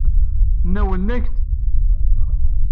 Nawlen-ak-d?